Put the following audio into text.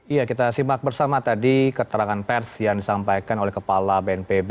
iya kita simak bersama tadi keterangan pers yang disampaikan oleh kepala bnpb